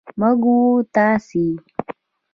موږ و تاسې